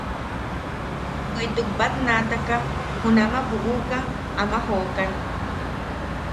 Bweʼituk batnaataka junama buʼuka ama jookan.